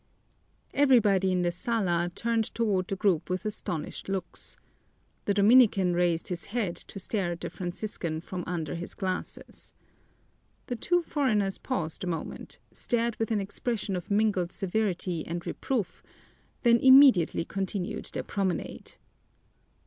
Everybody in the sala turned toward the group with astonished looks. The Dominican raised his head to stare at the Franciscan from under his glasses. The two foreigners paused a moment, stared with an expression of mingled severity and reproof, then immediately continued their promenade.